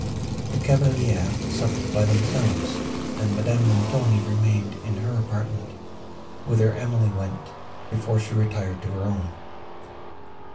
The cavaliers supped by themselves, and Madame Montoni remained in her apartment, whither Emily went, before she retired to her own.